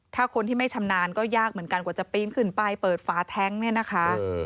ถ้าคนที่ไม่ชำนาญก็ยากเหมือนกันกว่าจะปีนขึ้นไปเปิดฝาแท้งเนี่ยนะคะ